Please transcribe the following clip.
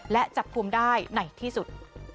และจับกลุ่มได้ไหนที่สุด